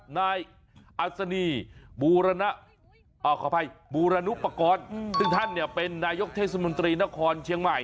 นายอัศนีบูรณขออภัยบูรณุปกรณ์ซึ่งท่านเนี่ยเป็นนายกเทศมนตรีนครเชียงใหม่